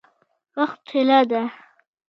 وخت طلا ده؟